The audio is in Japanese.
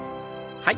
はい。